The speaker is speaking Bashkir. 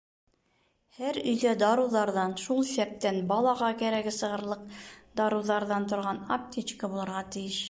Һәр өйҙә дарыуҙарҙан, шул иҫәптән балаға кәрәге сығырлыҡ дарыуҙарҙан торған аптечка булырға тейеш.